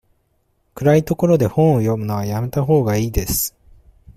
暗い所で本を読むのはやめたほうがいいです。